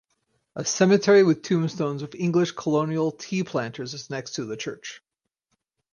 A cemetery with tombstones of English colonial tea planters is next to the church.